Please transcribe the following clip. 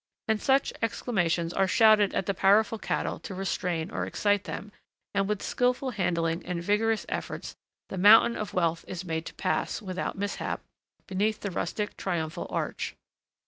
And such exclamations are shouted at the powerful cattle to restrain or excite them; and with skilful handling and vigorous efforts the mountain of wealth is made to pass, without mishap, beneath the rustic triumphal arch.